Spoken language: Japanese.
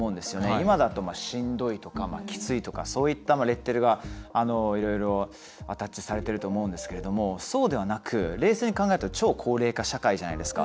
今だと、しんどいとかきついとかそういったレッテルがいろいろアタッチされてると思うんですけれどもそうではなく冷静に考えると超高齢化社会じゃないですか。